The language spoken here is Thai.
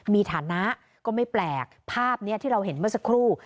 มีฐานะก็ไม่แปลกภาพนี้ที่เราเห็นเมื่อสักครู่